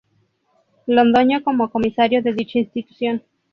Londoño como Comisario de dicha institución.